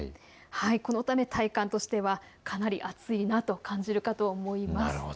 このため体感としてはかなり暑いなと感じるかと思います。